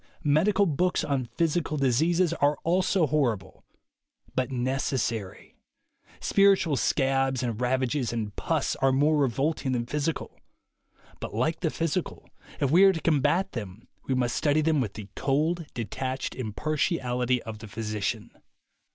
Medical books on physical dis eases are also horrible — but necessary. Spiritual scabs and ravages and pus are more revolting than physical — but like the physical, if we are to combat them, we must study them with the cold detached impartiality of the physician.